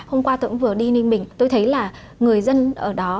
hôm qua tôi cũng vừa đi ninh bình tôi thấy là người dân ở đó